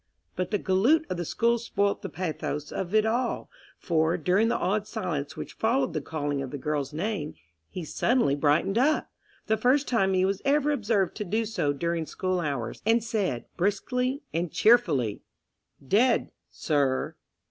But the galoot of the school spoilt the pathos of it all, for, during the awed silence which followed the calling of the girl's name, he suddenly brightened up—the first time he was ever observed to do so during school hours—and said, briskly and cheerfully "Dead—sir!"